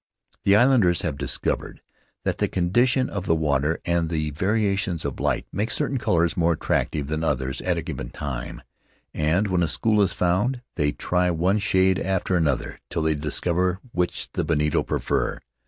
The islanders have discovered that the condition of the water and the variations of light make certain colors more attractive than others at a given time; and when a school is found they try one shade after another till they discover which the bonito prefer.